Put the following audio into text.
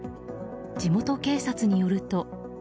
地元警察によると。